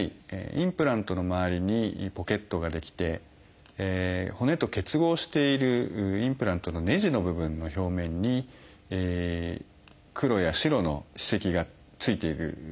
インプラントの周りにポケットが出来て骨と結合しているインプラントのねじの部分の表面に黒や白の歯石がついている状態です。